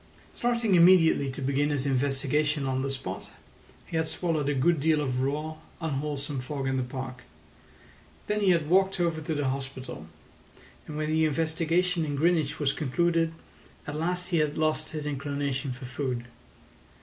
Starting immediately to begin his investigation on the spot, he had swallowed a good deal of raw, unwholesome fog in the park. Then he had walked over to the hospital; and when the investigation in Greenwich was concluded at last he had lost his inclination for food.